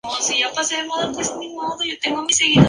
El padrastro de Max.